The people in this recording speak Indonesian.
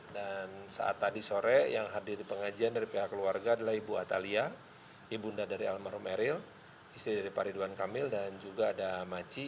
dan saat tadi sore yang hadir di pengajian dari pihak keluarga adalah ibu atalia ibu unda dari almarhum eril isteri dari faridwan kamil dan juga ada maci